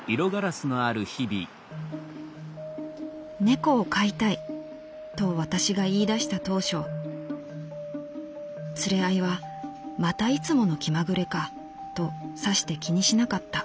「『猫を飼いたい』と私が言い出した当初連れ合いはまたいつもの気まぐれかとさして気にしなかった」。